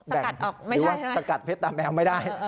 หรือว่าสกัดเพชรตาแมวไม่ได้